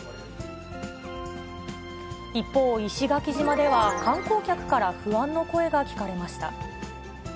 一方、石垣島では、観光客から不安の声が聞かれました。